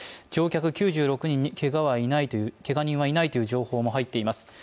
乗客９６人にけがはいないというけが人はいないという情報も入っています